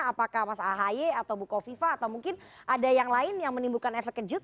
apakah mas ahaye atau buko viva atau mungkin ada yang lain yang menimbulkan efek kejut